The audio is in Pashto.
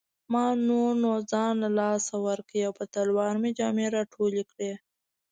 ما نور نو ځان له لاسه ورکړ او په تلوار مې جامې راټولې کړې.